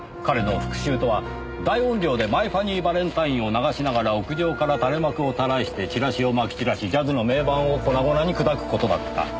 彼の復讐とは大音量で『マイ・ファニー・ヴァレンタイン』を流しながら屋上から垂れ幕をたらしてチラシをまき散らしジャズの名盤を粉々に砕く事だった。